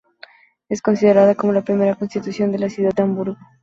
Es considerada como la primera constitución de la ciudad de Hamburgo.